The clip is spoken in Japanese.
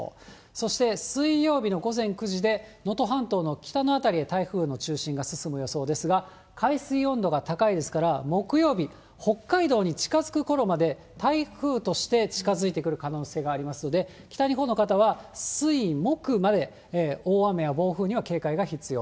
そして、水曜日の午前９時で、能登半島の北の辺りへ台風の中心が進む予想ですが、海水温度が高いですから、木曜日、北海道に近づくころまで、台風として近づいてくる可能性がありますので、北日本の方は水、木まで、大雨や暴風に警戒が必要。